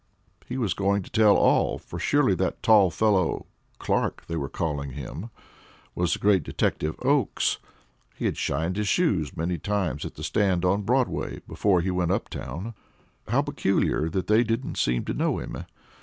He was going to tell all, for surely that tall fellow Clark, they were calling him, was the great detective Oakes; he had shined his shoes many times at the stand on Broadway before he went up town. How peculiar that they didn't seem to know him!